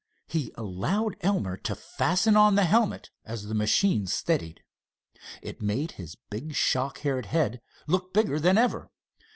He allowed Elmer to fasten on the helmet as the machine steadied. It made his big shock haired head look bigger than ever.